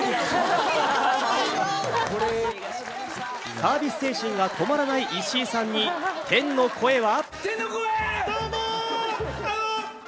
サービス精神が止まらない石井さんに、天の声は。